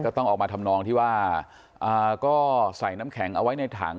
ต้องออกมาทำนองที่ว่าก็ใส่น้ำแข็งเอาไว้ในถัง